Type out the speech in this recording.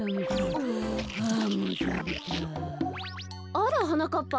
あらはなかっぱ。